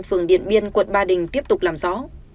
phường điện biên quận ba đình tiếp tục làm rõ